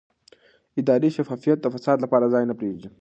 اداري شفافیت د فساد لپاره ځای نه پرېږدي